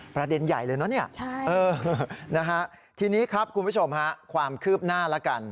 ประเด็นใหญ่เลยนะเนี่ยนะฮะทีนี้ครับคุณผู้ชมฮะความคืบหน้าแล้วกัน